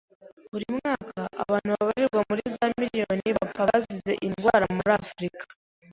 Buri mwaka, abantu babarirwa muri za miriyoni bapfa bazize inzara muri Afurika.